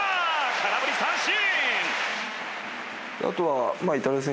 空振り三振！